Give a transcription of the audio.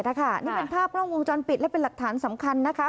นี่เป็นภาพกล้องวงจรปิดและเป็นหลักฐานสำคัญนะคะ